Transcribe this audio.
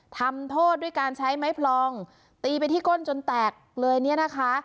ทำโทษด้วยการใช้ไม้พลองตีไปที่ก้นจนแตกเลยเนี่ยนะคะ